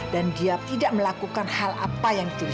dan dia tidak melakukan hal apa yang itu